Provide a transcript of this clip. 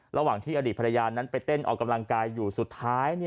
ระหว่างที่อดีตภรรยานั้นไปเต้นออกกำลังกายอยู่สุดท้าย